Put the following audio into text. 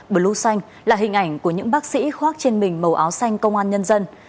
blue xanh là hình ảnh của những bác sĩ khoác trên mình màu áo xanh công an nhân dân